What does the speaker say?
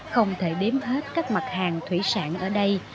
không thể đếm hết các mặt hàng thủy sản ở đây